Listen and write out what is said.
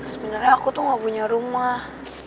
sebenarnya aku tuh gak punya rumah